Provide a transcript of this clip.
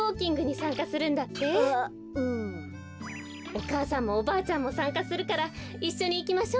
お母さんもおばあちゃんもさんかするからいっしょにいきましょう。